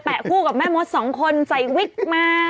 คู่กับแม่มดสองคนใส่วิกมา